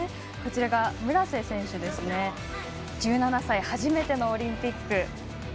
こちらが村瀬選手、１７歳初めてのオリンピック。